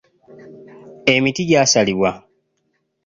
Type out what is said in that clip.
Emiti gy'asalibwa.